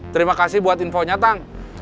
terima kasih buat info nyatang